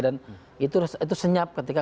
dan itu senyap ketika